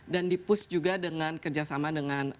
dan dipus juga dengan kerjasama dengan